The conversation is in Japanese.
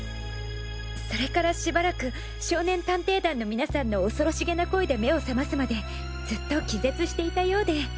それからしばらく少年探偵団の皆さんの恐ろしげな声で目を覚ますまでずっと気絶していたようで。